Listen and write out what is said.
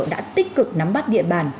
đã tích cực nắm bắt địa bàn